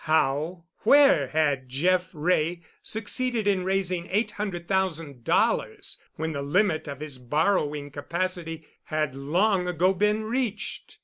How—where had Jeff Wray succeeded in raising eight hundred thousand dollars when the limit of his borrowing capacity had long ago been reached?